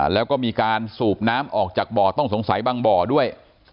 แล้วก็มีการสูบน้ำออกจากบ่อต้องสงสัยบางบ่อด้วย